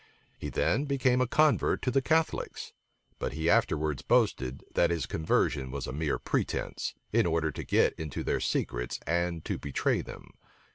He then became a convert to the Catholics; but he afterwards boasted, that his conversion was a mere pretence, in order to get into their secrets and to betray them.